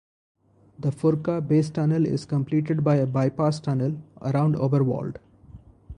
The Furka Base Tunnel is completed by a bypass tunnel around Oberwald.